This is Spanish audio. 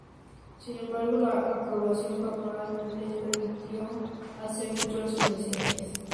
Sin embargo, la aprobación papal les permitió hacer futuras fundaciones.